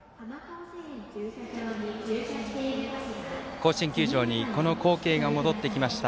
甲子園球場にこの光景が戻ってきました